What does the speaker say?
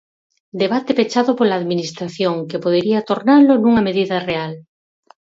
Debate pechado pola Administración que podería tornalo nunha medida real.